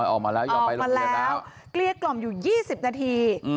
ออกมาแล้วเกลี้ยกล่อมอยู่๒๐นาที